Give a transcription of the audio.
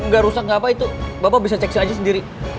gak rusak gak apa itu bapak bisa cek aja sendiri